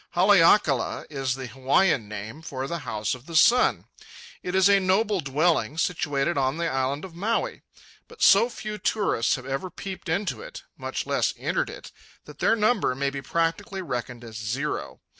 Haleakala is the Hawaiian name for "the House of the Sun." It is a noble dwelling, situated on the Island of Maui; but so few tourists have ever peeped into it, much less entered it, that their number may be practically reckoned as zero.